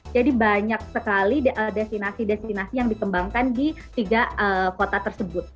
jadi banyak sekali destinasi destinasi yang dikembangkan di tiga kota tersebut